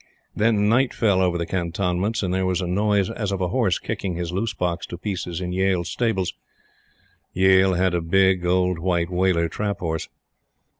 Then night fell over the Cantonments, and there was a noise as of a horse kicking his loose box to pieces in Yale's stables. Yale had a big, old, white Waler trap horse.